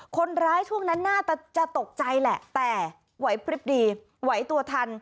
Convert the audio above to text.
คนร้ายช่วงนั้นน่าจะตกใจแหละแต่ไหวพลิบดีไหวตัวทัน